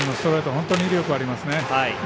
本当に威力ありますね。